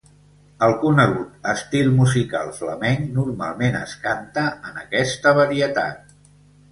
El conegut estil musical flamenc normalment es canta en aquesta varietat.